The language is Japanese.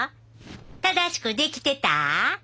正しくできてた？